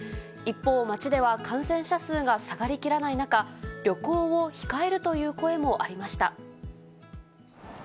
一方、街では感染者数が下がりきらない中、旅行を控えるという声もありました。